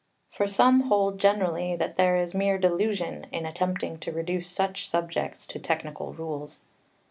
For some hold generally that there is mere delusion in attempting to reduce such subjects to technical rules.